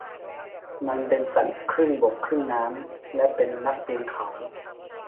มันเป็นสัตว์ครึ่งบกครึ่งน้ำและเป็นนักปีนเขา